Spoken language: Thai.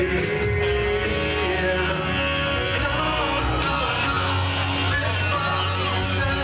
อีกเพลงหนึ่งครับนี้ให้สนสารเฉพาะเลย